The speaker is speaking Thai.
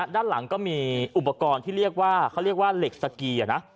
ด้านหลังก็มีอุปกรณ์ที่เรียกว่าเขาเรียกว่าเหล็กสกีนะ